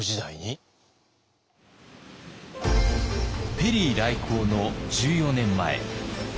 ペリー来航の１４年前。